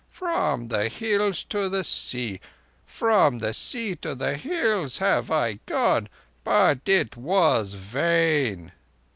From the Hills to the Sea, from the Sea to the Hills have I gone, but it was vain.